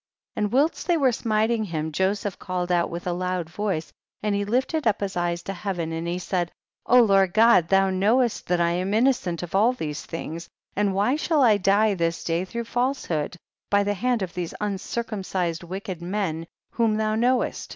63. And whilst they were smit ing him, Joseph called out with a loud voice, and he lifted up his eyes to heaven, and he said, O Lord God, thou knowest that I am innocent of all these things, and why shall I die this day through falsehood, by the hand of these uncircumcised wicked men, whom thou knowest